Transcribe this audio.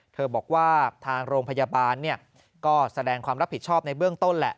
บอกว่าทางโรงพยาบาลก็แสดงความรับผิดชอบในเบื้องต้นแหละ